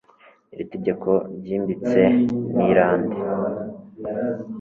iri tegeko ryimbitse ni irande